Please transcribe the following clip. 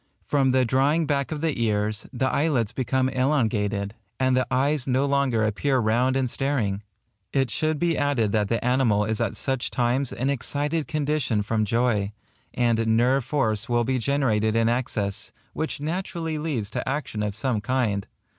From the drawing back of the ears, the eyelids become elongated, and the eyes no longer appear round and staring. It should be added that the animal is at such times in an excited condition from joy; and nerve force will be generated in excess, which naturally leads to action of some kind.